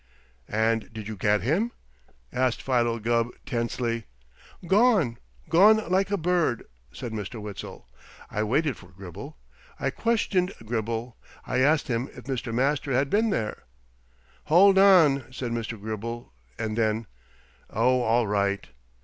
"And did you get him?" asked Philo Gubb tensely. "Gone! Gone like a bird!" said Mr. Witzel. "I waited for Gribble. I questioned Gribble. I asked him if Mr. Master had been there " "Hold on!" said Mr. Gribble, and then, "Oh, all right!"